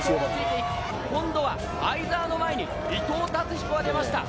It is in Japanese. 今度は相澤の前に、伊藤達彦が出ました。